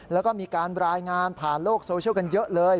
แล้วก็มีการรายงานผ่านโลกโซเชียลกันเยอะเลย